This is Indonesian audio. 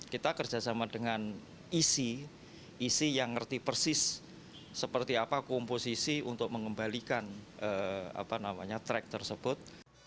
kita kerjasama dengan isi isi yang ngerti persis seperti apa komposisi untuk mengembalikan track tersebut